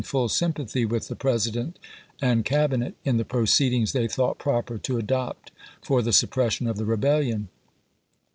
full sympathy with the President and Cabinet, in the proceedings they thought proper to adopt for the suppression of the rebellion.